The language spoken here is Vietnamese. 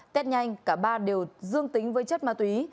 tết nhanh cả ba đều dương tính với chất ma túy